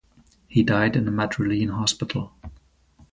He died in a Madrilene hospital.